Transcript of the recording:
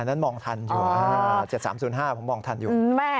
นั้นมองทันอยู่๗๓๐๕ผมมองทันอยู่